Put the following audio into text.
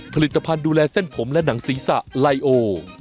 ผลิตภัณฑ์ดูแลเส้นผมและหนังศีรษะไลโอ